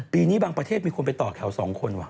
ปีนี้บางประเทศมีคนไปต่อแถว๒คนว่ะ